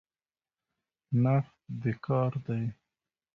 نفت د کار دی.